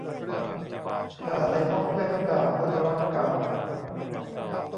ถ้าได้พบเพื่อนเก่า คนรักเก่า